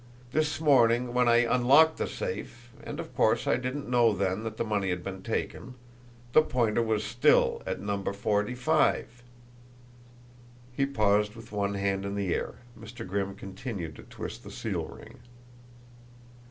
This morning, when I unlocked the safe and, of course, I didn't know then that the money had been taken the pointer was still at number forty five." He paused with one hand in the air; Mr. Grimm continued to twist the seal ring.